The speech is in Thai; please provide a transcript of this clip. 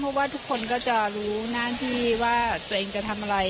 เพราะว่าทุกคนก็จะรู้หน้าที่ว่าตัวเองจะทำอะไร